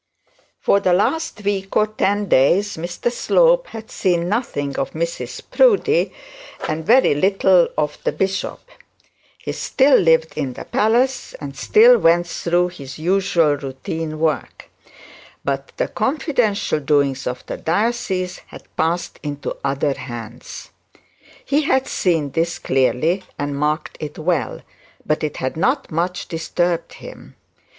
For the last week or ten days, Mr Slope had seen nothing of Mrs Proudie, and very little of the bishop. He still lived in the palace, and still went through his usual routine work; but the confidential doings of the diocese had passed into other hands. He had seen this clearly, and marked it well; but it had not much disturbed him.